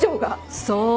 そう。